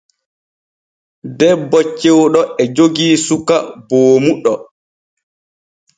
Debbo cewɗo e jogii suka boomuɗo.